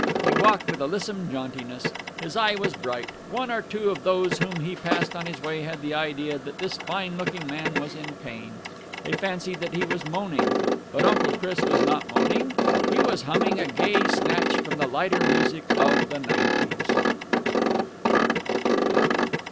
He walked with a lissom jauntiness. His eye was bright. One or two of those whom he passed on his way had the idea that this fine looking man was in pain. They fancied that he was moaning. But Uncle Chris was not moaning. He was humming a gay snatch from the lighter music of the 'nineties.